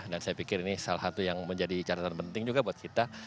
dan saya pikir ini salah satu yang menjadi catatan penting juga buat kita